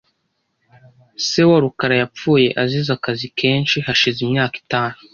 Se wa rukara yapfuye azize akazi kenshi hashize imyaka itanu .